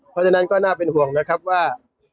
เพราะฉะนั้นก็น่าเป็นห่วงนะครับว่า